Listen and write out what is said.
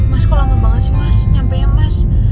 mas kok lama banget sih mas nyampe ya mas